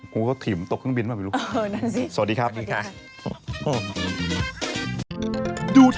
คุณก็ถิ่มต้นเครื่องบินมาทีรูป